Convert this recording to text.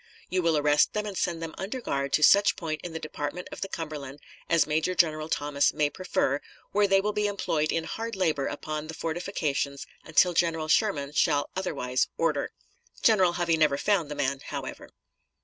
You will arrest them and send them under guard to such point in the Department of the Cumberland as Major General Thomas may prefer, where they will be employed in hard labor upon the fortifications until General Sherman shall otherwise order. General Hovey never found the man, however.